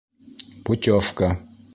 Путевка